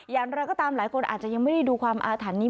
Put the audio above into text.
อย่างไรก็ตามหลายคนอาจจะยังไม่ได้ดูความอาถรรพ์นี้